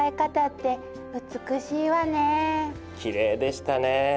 きれいでしたね。